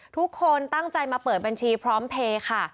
ทุกคนตั้งใจมาเปิดบัญชีพร้อมเพลย์ค่ะ